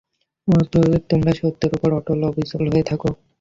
অতএব, তোমরা সত্যের উপর অটল-অবিচল হয়ে থাক।